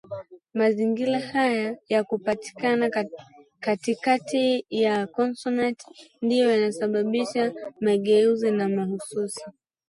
Mazingira haya ya kupatikana katikati ya konsonanti ndiyo yanasababisha mageuzi mahsusi